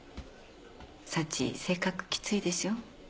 幸性格きついでしょ？